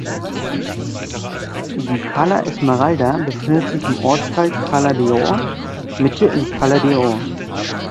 Die Cala Esmeralda befindet sich im Ortsteil Cala d’Or (Mitte) in Cala d’Or.